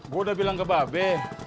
gue udah bilang ke babe